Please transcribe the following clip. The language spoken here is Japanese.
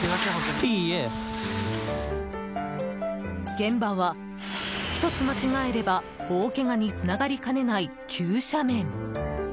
現場は、１つ間違えれば大けがにつながりかねない急斜面。